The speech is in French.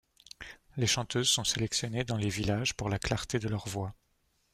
Les chanteuses sont sélectionnées dans les villages pour la clarté de leur voix.